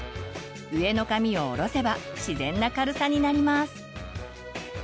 上の髪を下ろせば自然な軽さになります。